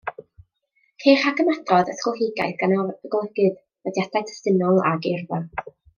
Ceir rhagymadrodd ysgolheigaidd gan y golygydd, nodiadau testunol a geirfa.